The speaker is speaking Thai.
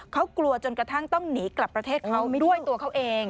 เขากลัวจนกระทั่งต้องหนีกลับประเทศเขาด้วยตัวเขาเอง